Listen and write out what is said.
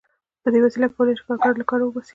په دې وسیله کولای شي کارګر له کاره وباسي